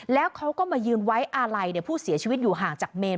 แล้วเขาก็มายืนไว้อาลัยผู้เสียชีวิตอยู่ห่างจากเมน